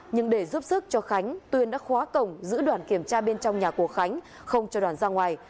nhưng để giúp sức cho khánh tuyên đã khóa cổng giữ đoàn kiểm tra bên trong nhà của khánh không cho đoàn ra ngoài